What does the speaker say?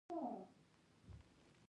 کله چې هغه ماشوم هلته له ستونزو سره مخ شو